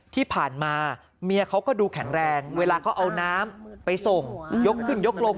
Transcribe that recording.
ที่ผ่านมาเมียเขาก็ดูแข็งแรงเวลาเขาเอาน้ำไปส่งยกขึ้นยกลง